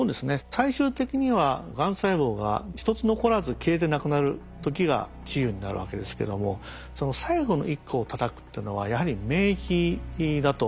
最終的にはがん細胞が一つ残らず消えてなくなる時が治癒になるわけですけどもその最後の一個をたたくっていうのはやはり免疫だと思います。